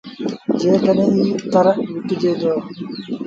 جيڪڏهينٚ ايٚ اتر وڪڻجي هآ